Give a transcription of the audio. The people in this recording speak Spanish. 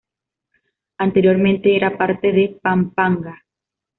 Anteriormente, era parte de Pampanga.